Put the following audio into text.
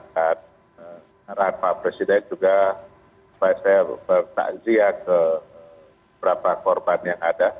dan arahan pak presiden juga supaya saya bertakziah ke beberapa korban yang ada